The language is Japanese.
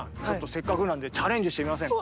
せっかくなんでチャレンジしてみませんか。